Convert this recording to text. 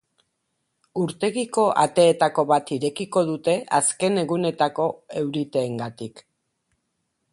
Urtegiko ateetako bat irekiko dute azken egunetako euriteengatik.